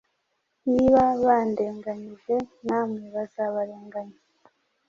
Niba bandenganyije, namwe bazabarenganya: